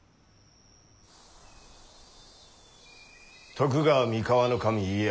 徳川三河守家康。